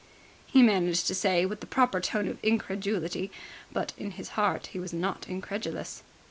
he managed to say with the proper note of incredulity, but in his heart he was not incredulous.